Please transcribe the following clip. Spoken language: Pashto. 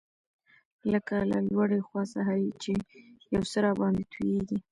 لکه له لوړې خوا څخه چي یو څه راباندي تویېږي.